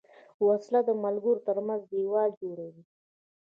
وسله د ملګرو تر منځ دیوال جوړوي